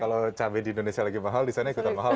kalau cabai di indonesia lagi mahal disana ya kita mahal